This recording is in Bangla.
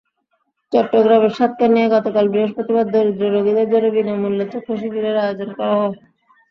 চট্টগ্রামের সাতকানিয়ায় গতকাল বৃহস্পতিবার দরিদ্র রোগীদের জন্য বিনা মূল্যে চক্ষুশিবিরের আয়োজন করা হয়।